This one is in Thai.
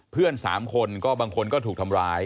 เพื่อนสามคนก็บางคนก็ถูกทำร้าย